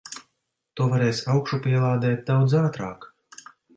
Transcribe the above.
To varēs augšupielādēt daudz ātrāk.